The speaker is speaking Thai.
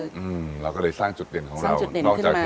อืมเราก็เลยสร้างจุดเด่นของเราสร้างจุดเด่นขึ้นมา